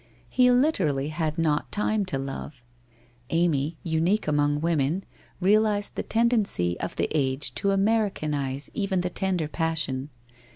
He literally had not time to love. Amy, unique among women, realized the tendency of the age to Americanize cv< a the tender passion.